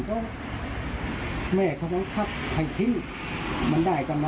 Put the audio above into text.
ว่าสำหรับตาตาจะเกิดอะไรขึ้น